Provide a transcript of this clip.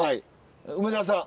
梅沢さん。